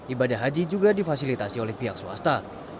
ibadah haji juga difasilitasi oleh pihak swasta